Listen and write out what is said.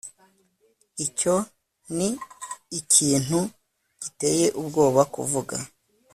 icyo ni ikintu giteye ubwoba kuvuga